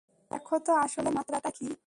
দেখো তো, আসলে মাত্রাটা কী?